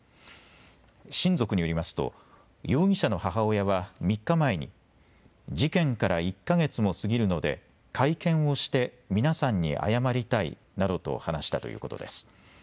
親族によりますと容疑者の母親は３日前に事件から１か月も過ぎるので会見をして皆さんに謝りたいなどと話したということです。